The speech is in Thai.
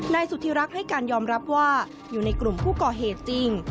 นายสุธิรักษ์ให้การยอมรับว่าอยู่ในกลุ่มผู้ก่อเหตุจริง